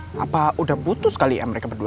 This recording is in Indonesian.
iya gier apa udah putus kali ya mereka berdua